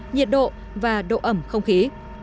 nhiệt độ và độ ẩm không khí